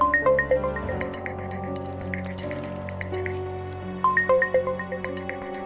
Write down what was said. perkembangan di terminal